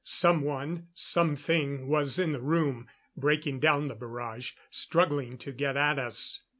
Someone something was in the room, breaking down the barrage, struggling to get at us.